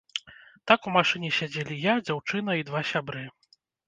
Так у машыне сядзелі я, дзяўчына і два сябры.